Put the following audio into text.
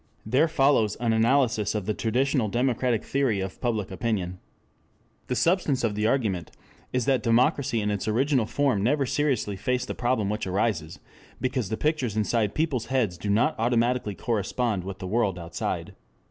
There follows an analysis of the traditional democratic theory of public opinion. The substance of the argument is that democracy in its original form never seriously faced the problem which arises because the pictures inside people's heads do not automatically correspond with the world outside.